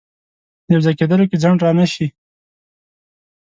یو ځای کېدلو کې ځنډ رانه شي.